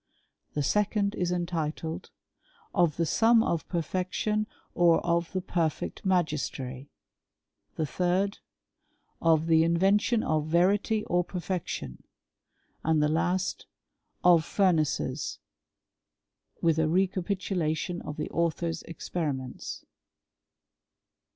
The second is entitled, " Of the Sum of Perfection, or of the perfect Magistery." The third, " Of the Invention of Verity or Perfection." And the last, '^ Of Furnaces, &c.; with a Recapitula tion of the Author*s Experiments."